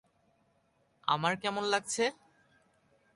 আমার কেমন লাগছে?